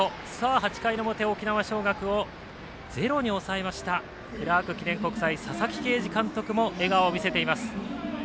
８回の表、沖縄尚学をゼロに抑えましたクラーク記念国際佐々木啓司監督も笑顔を見せています。